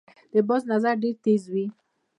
د باز نظر ډیر تېز وي